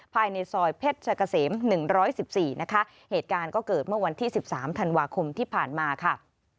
ภายในซอยเพชรชะกะเสม๑๑๔นะคะเหตุการณ์ก็เกิดเมื่อวันที่๑๓ธันวาคมที่ผ่านมาค่ะ